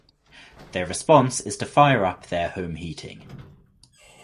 Their response is to fire up their home heating.